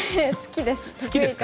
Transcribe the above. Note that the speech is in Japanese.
好きです。